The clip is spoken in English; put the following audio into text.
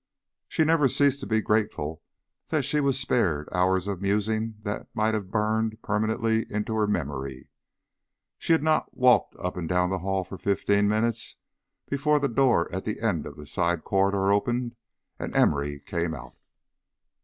She never ceased to be grateful that she was spared hours of musing that might have burnt permanently into her memory. She had not walked up and down the hall for fifteen minutes before the door at the end of the side corridor opened and Emory came out.